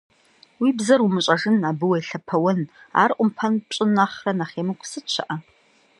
Уи бзэр умыщӏэжын, абы уелъэпэуэн, ар ӏумпэм пщӏын нэхърэ нэхъ емыкӏу сыт щыӏэ!